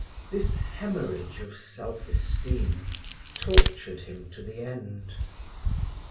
This haemorrhage of self esteem tortured him to the end.